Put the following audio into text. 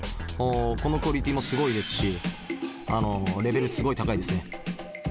このクオリティーもすごいですしレベルすごい高いですね。